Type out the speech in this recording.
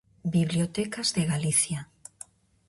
Bibliotecas de Galicia.